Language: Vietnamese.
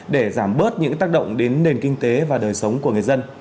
để giảm bớt những tác động đến nền kinh tế và đời sống của người dân